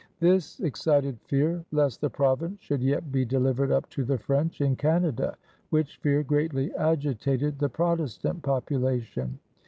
This excited fear lest the Province should yet be delivered up to the French in Canada, which fear greatly agitated the Protestant population.